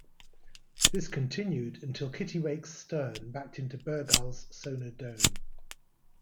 This continued until "Kittiwake"s stern backed into "Bergall"s sonar dome.